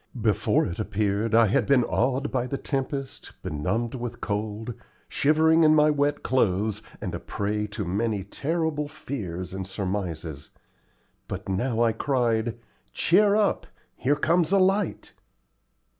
Before it appeared I had been awed by the tempest, benumbed with cold, shivering in my wet clothes, and a prey to many terrible fears and surmises; but now I cried, "Cheer up; here comes a light."